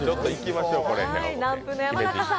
喃風の山中さん